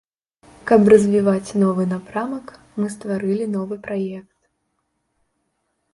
Каб развіваць новы напрамак, мы стварылі новы праект.